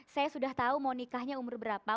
saya sudah tahu mau nikahnya umur berapa